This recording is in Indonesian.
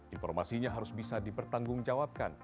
informasinya harus bisa dipertanggungjawabkan